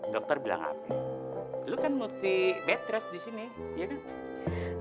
dokter bilang apa lo kan mesti bed rest di sini iya kan